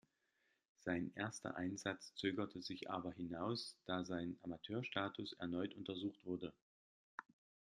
Sein erster Einsatz zögerte sich aber hinaus, da sein Amateurstatus erneut untersucht wurde.